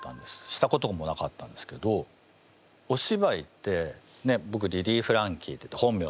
したこともなかったんですけどおしばいってぼくリリー・フランキーっていって本名